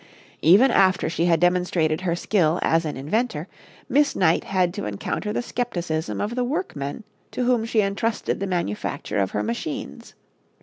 Even after she had demonstrated her skill as an inventor, Miss Knight had to encounter the skepticism of the workmen to whom she entrusted the manufacture of her machines.